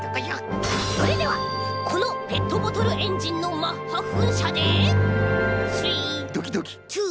それではこのペットボトルエンジンのマッハふんしゃでスリー。